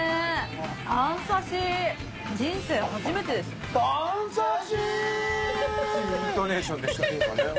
人生初めてです。